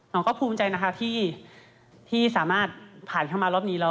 น้องก็ภูมิใจนะคะที่สามารถผ่านเข้ามารอบนี้แล้ว